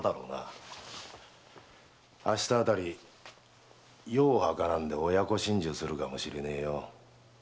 明日あたり世を儚んで親子心中するかもしれねえよ。